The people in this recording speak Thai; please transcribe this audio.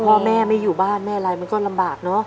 พ่อแม่ไม่อยู่บ้านแม่อะไรมันก็ลำบากเนอะ